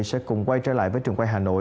sẽ cùng quay trở lại với trường quay hà nội